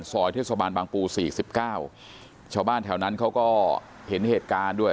ซอยเทศบาลบางปูสี่สิบเก้าชาวบ้านแถวนั้นเขาก็เห็นเหตุการณ์ด้วย